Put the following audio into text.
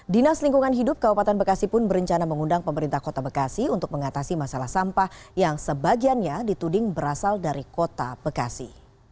dinas lingkungan hidup kabupaten bekasi pun berencana mengundang pemerintah kota bekasi untuk mengatasi masalah sampah yang sebagiannya dituding berasal dari kota bekasi